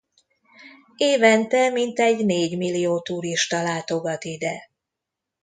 Évente mintegy négymillió turista látogat ide.